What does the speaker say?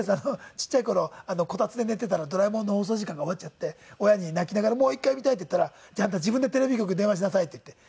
ちっちゃい頃コタツで寝ていたら『ドラえもん』の放送時間が終わっちゃって親に泣きながら「もう一回見たい」って言ったら「じゃああんた自分でテレビ局に電話しなさい」って言って。